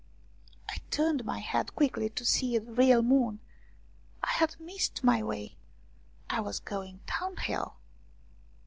I turned my head quickly to see the real moon. I had missed my way I was going downhill